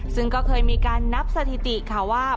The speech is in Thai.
ซึ่งก็เคยมีการนับสถิติค่ะว่า